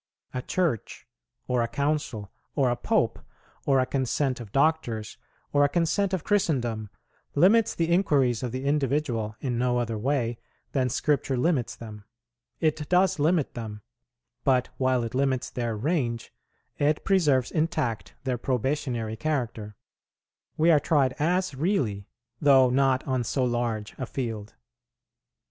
A Church, or a Council, or a Pope, or a Consent of Doctors, or a Consent of Christendom, limits the inquiries of the individual in no other way than Scripture limits them: it does limit them; but, while it limits their range, it preserves intact their probationary character; we are tried as really, though not on so large a field.